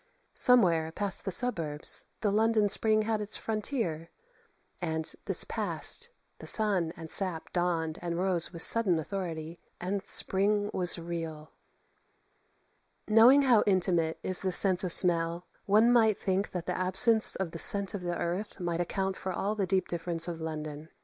Somewhere, past the suburbs, the London spring had its frontier, and, this past, the sun and the sap dawned and rose with sudden authority, and spring was real. Knowing how intimate is the sense of smell, one might think that the absence of the scent of the earth might account for all the deep difference of London.